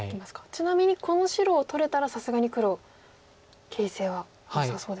ちなみにこの白を取れたらさすがに黒形勢はよさそうですか。